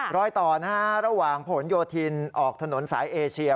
รอยต่อนะฮะระหว่างผลโยธินออกถนนสายเอเชีย